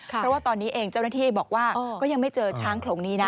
เพราะว่าตอนนี้เองเจ้าหน้าที่บอกว่าก็ยังไม่เจอช้างโขลงนี้นะ